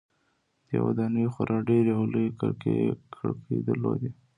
دې ودانیو خورا ډیرې او لویې کړکۍ درلودې.